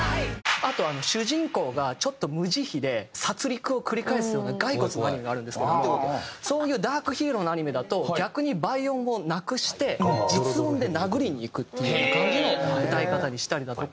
あと主人公がちょっと無慈悲で殺戮を繰り返すような骸骨のアニメがあるんですけどもそういうダークヒーローのアニメだと逆に倍音をなくして実音で殴りにいくっていう感じの歌い方にしたりだとか。